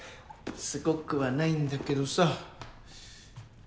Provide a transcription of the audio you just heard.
すごくはないんだけどさ。